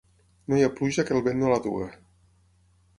No hi ha pluja que el vent no la duga.